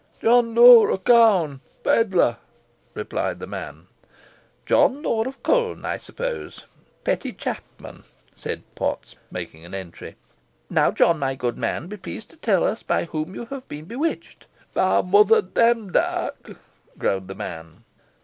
"John Law o' Cown, pedlar," replied the man. "John Law of Colne, I suppose, petty chapman," said Potts, making an entry. "Now, John, my good man, be pleased to tell us by whom you have been bewitched?" "By Mother Demdike," groaned the man.